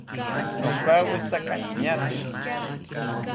Nokawoshitaka ñaateni